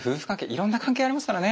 いろんな関係ありますからね。